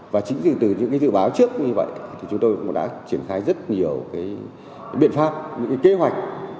và chính từ những dự báo trước như vậy chúng tôi cũng đã triển khai rất nhiều biện pháp kế hoạch